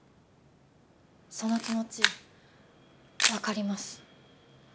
その気持ち分かります。